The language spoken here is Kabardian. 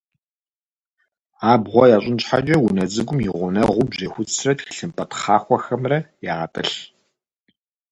Абгъуэ ящӏын щхьэкӏэ унэ цӏыкӏум и гъунэгъуу бжьэхуцрэ тхылъымпӏэ тхъахуэхэмрэ ягъэтӏылъ.